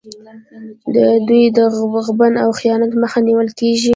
د دوی د غبن او خیانت مخه نیول کېږي.